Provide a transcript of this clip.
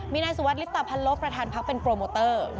มีนายสุวัสดิ์ฤทธิ์ภัณฑ์ลบประธานภักดิ์เป็นโปรโมเตอร์